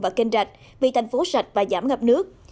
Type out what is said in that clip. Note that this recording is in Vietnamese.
và kênh rạch vì thành phố sạch và giảm ngập nước